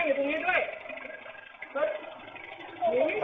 อะไร